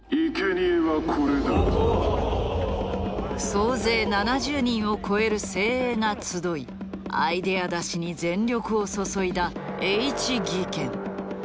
総勢７０人を超える精鋭が集いアイデア出しに全力を注いだＨ技研。